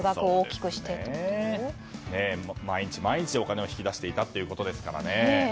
毎日毎日お金を引き出していたということですからね。